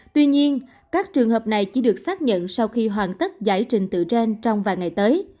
tuy nhiên các trường hợp này chỉ được xác nhận sau khi hoàn tất giải trình tự trang trong vài ngày tới